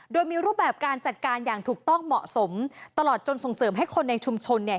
โดยมีรูปแบบการจัดการอย่างถูกต้องเหมาะสมตลอดจนส่งเสริมให้คนในชุมชนเนี่ย